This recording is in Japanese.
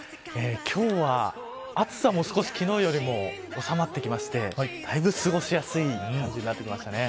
今日は暑さも少し昨日よりもおさまってきましてだいぶ、過ごしやすい感じになってきましたね。